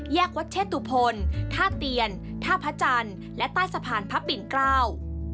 วัดเชษตุพลท่าเตียนท่าพระจันทร์และใต้สะพานพระปิ่นเกล้า